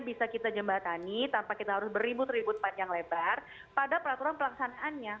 bisa kita jembatani tanpa kita harus beribut ribut panjang lebar pada peraturan pelaksanaannya